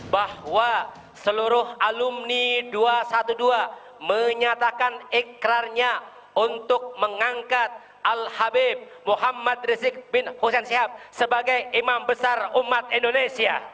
bahwa seluruh alumni dua ratus dua belas menyatakan ikrarnya untuk mengangkat al habib muhammad rizik bin hussein sihab sebagai imam besar umat indonesia